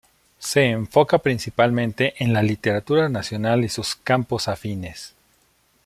Se enfoca principalmente en la literatura nacional y sus campos afines.